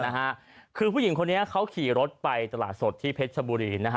นะฮะคือผู้หญิงคนนี้เขาขี่รถไปตลาดสดที่เพชรชบุรีนะฮะ